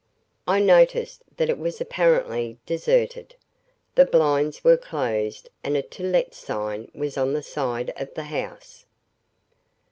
I noticed that it was apparently deserted. The blinds were closed and a "To Let" sign was on the side of the house.